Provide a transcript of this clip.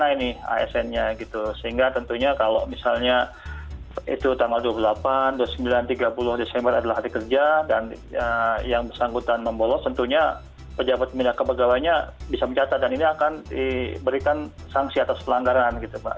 ini asn nya gitu sehingga tentunya kalau misalnya itu tanggal dua puluh delapan dua puluh sembilan tiga puluh desember adalah hari kerja dan yang bersangkutan membolos tentunya pejabat pembina kepegawaiannya bisa mencatat dan ini akan diberikan sanksi atas pelanggaran gitu mbak